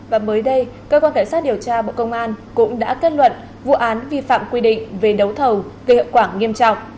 và mới đây cơ quan cảnh sát điều tra bộ công an cũng đã kết luận vụ án vi phạm quy định về đấu thầu gây hậu quả nghiêm trọng